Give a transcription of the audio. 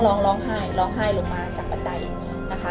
ร้องร้องไห้ร้องไห้ลงมาจากบันไดนะคะ